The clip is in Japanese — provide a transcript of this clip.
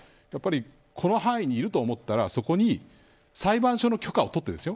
この範囲にいると思ったらそこに裁判所の許可を取って、ですよ